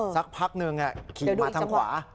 สักพักหนึ่งขี่มาทางขวา